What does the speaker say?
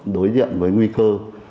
đối diện với nguy cơ